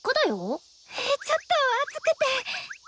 ちょっと暑くて！